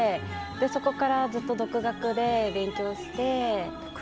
そこからずっと独学で勉強して。